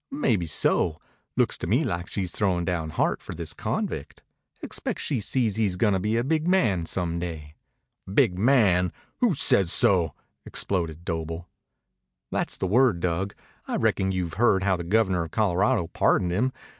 "Maybeso. Looks to me like she's throwin' down Hart for this convict. Expect she sees he's gonna be a big man some day." "Big man! Who says so?" exploded Doble. "That's the word, Dug. I reckon you've heard how the Governor of Colorado pardoned him.